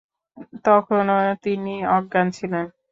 তখনও তিনি অজ্ঞান ছিলেন।